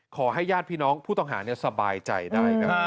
ขอให้ญาติพี่น้องผู้ต้องหาสบายใจได้ครับ